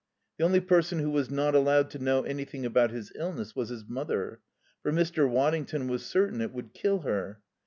The only person who was not allowed to know anything about his illness was his mother, for Mr. Waddington was certain it would kill her.